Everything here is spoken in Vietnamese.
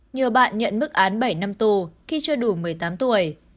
nhiều bạn nhận mức án bảy năm tù khi chưa đủ một mươi tám tuổi